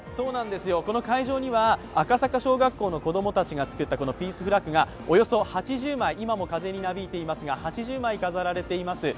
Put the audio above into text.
この会場には赤坂小学校の子供たちが作ったこのピースフラッグがおよそ８０枚風になびいていますが飾られています。